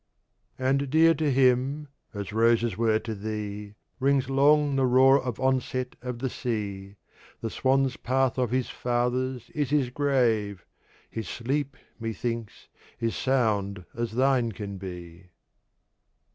And dear to him, as Roses were to thee, Rings long the Roar of Onset of the Sea; The Swan's Path of his Fathers is his grave: His sleep, methinks, is sound as thine can be.